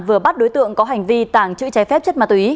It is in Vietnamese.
vừa bắt đối tượng có hành vi tàng trữ trái phép chất ma túy